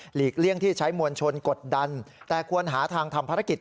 เลี่ยงที่ใช้มวลชนกดดันแต่ควรหาทางทำภารกิจ